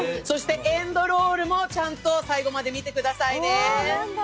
そしてエンドロールもちゃんと最後まで見てくださいね。